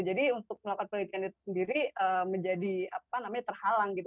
jadi untuk melakukan penelitian itu sendiri menjadi terhalang gitu